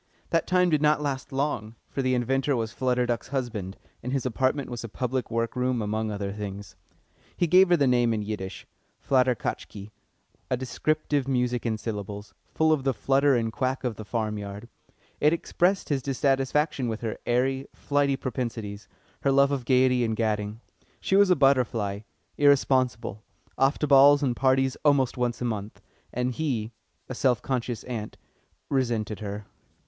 That time did not last long, for the inventor was Flutter Duck's husband, and his apartment was a public work room among other things. He gave her the name in Yiddish Flatterkatchki a descriptive music in syllables, full of the flutter and quack of the farm yard. It expressed his dissatisfaction with her airy, flighty propensities, her love of gaiety and gadding. She was a butterfly, irresponsible, off to balls and parties almost once a month, and he, a self conscious ant, resented her.